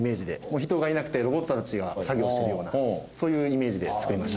人がいなくてロボットたちが作業してるようなそういうイメージで作りました。